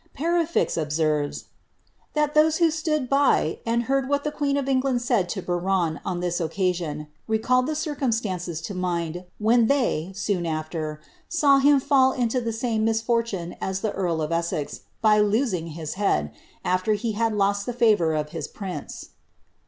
Perefixe observes, ^ that those who stood by, and heard what the queen of England said to Biron on this occasion, readied the circiunstances to mind, when they, soon after, saw him fidl into the same misfortune as the earl of Essex, by losing his head, after he had lost the favour of his prince.''